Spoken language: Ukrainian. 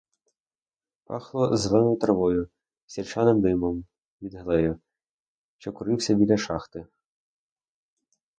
Пахло зеленою травою й сірчаним димом від глею, що курився біля шахти.